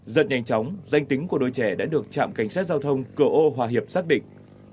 giật nhanh chóng danh tính của đôi trẻ đã được trạm cảnh sát giao thông cửa ô hòa hiệp xác định